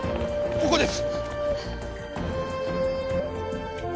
ここです。